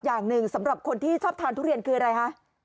อย่างหนึ่งสำหรับคนที่ชอบทานทุเรียนคืออะไรคะ